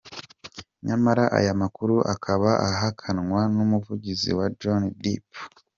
Nyamara aya makuru akaba ahakanwa n’umuvugizi wa Johnny Depp.